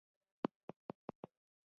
انحصاري قلمونو پر انحصاري کاغذ لیکل کول.